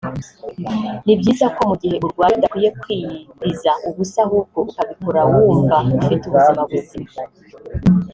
ni byiza ko mu gihe urwaye udakwiye kwiyiriza ubusa ahubwo ukabikora wumva ufite ubuzima buzima